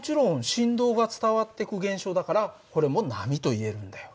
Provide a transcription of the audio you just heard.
振動が伝わってく現象だからこれも波といえるんだよ。